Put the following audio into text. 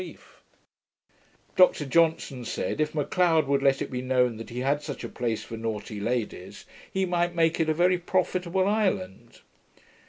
643).] Dr Johnson said, if M'Leod would let it be known that he had such a place for naughty ladies, he might make it a very profitable island.